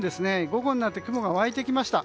午後になって雲が湧いてきました。